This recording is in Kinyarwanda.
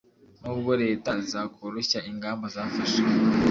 nubwo leta zakoroshya ingamba zafashe